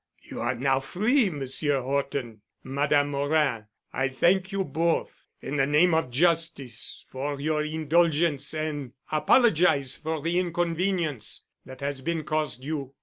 "You are now free, Monsieur Horton—Madame Morin, I thank you both, in the name of Justice, for your indulgence and apologize for the inconvenience that has been caused you.